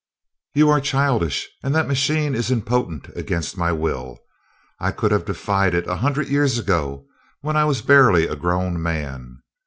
"You are childish, and that machine is impotent against my will. I could have defied it a hundred years ago, when I was barely a grown man.